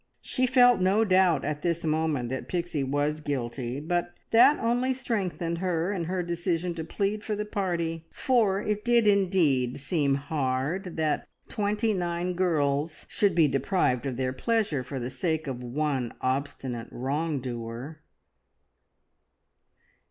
She felt no doubt at this moment that Pixie was guilty; but that only strengthened her in her decision to plead for the party, for it did indeed seem hard that twenty nine girls should be deprived of their pleasure for the sake of one obstinate wrong doer.